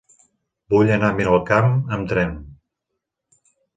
Vull anar a Miralcamp amb tren.